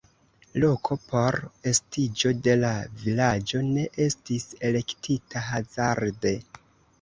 Loko por estiĝo de la vilaĝo ne estis elektita hazarde.